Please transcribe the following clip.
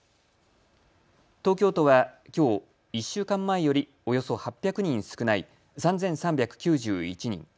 東京都はきょう１週間前よりおよそ８００人少ない３３９１人。